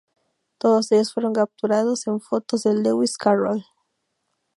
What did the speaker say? Todos ellos fueron capturados en fotos de Lewis Carroll.